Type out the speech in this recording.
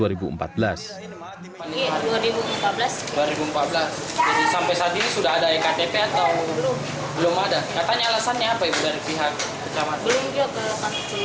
dua ribu empat belas jadi sampai saat ini sudah ada iktp atau